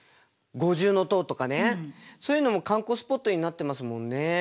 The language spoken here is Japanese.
そういうのも観光スポットになってますもんね。